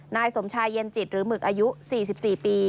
นายสมชายเย็นจิตหรือหมึกอายุ๔๔ปี